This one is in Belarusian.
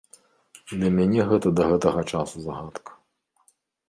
Для мяне гэта да гэтага часу загадка.